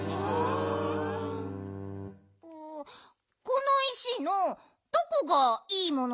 この石のどこがいいものなの？